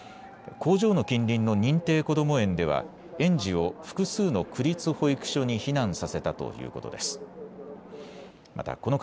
工場の近隣の認定こども園では園児を複数の区立保育所に避難させたということです。